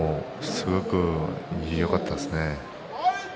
すごくよかったですね。